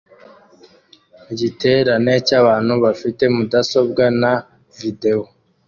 Igiterane cyabantu bafite mudasobwa na videwo